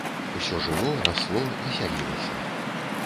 Усё жыло, расло, весялілася.